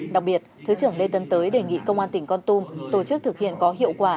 đặc biệt thứ trưởng lê tân tới đề nghị công an tỉnh con tum tổ chức thực hiện có hiệu quả